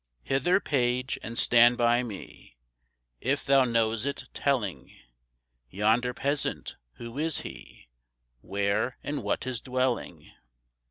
"Hither, page, and stand by me, If thou know'st it, telling. Yonder peasant, who is he? Where and what his dwelling?"